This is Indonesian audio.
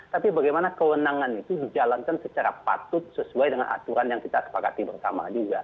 tapi bagaimana kewenangan itu dijalankan secara patut sesuai dengan aturan yang kita sepakati bersama juga